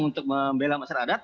untuk membela masyarakat